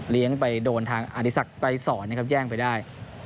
เลี้ยงไปโดนทางอธิษฐกัยศรแย่งไปได้